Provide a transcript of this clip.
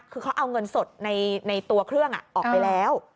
คือเขาเอาเงินสดในตัวเครื่องออกไปแล้ว